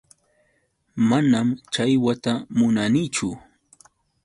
Manam challwata munanichu.